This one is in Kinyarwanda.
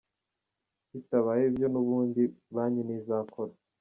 Bitabaye ibyo n’ ubundi banki ntizakora.